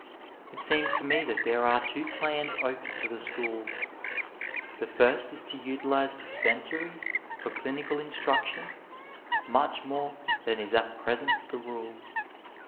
It seems to me that there are two plans open to the schools : The first is to utilize dispensaries for clinical instruction much more than is at present the rule.